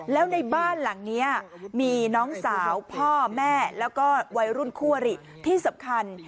แล้วในบ้านหลังนี้มีน้องสาวพ่อแม่แล้วก็วัยรุ่นคู่อริที่สำคัญ